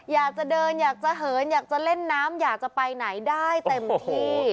อยากจะเดินอยากจะเหินอยากจะเล่นน้ำอยากจะไปไหนได้เต็มที่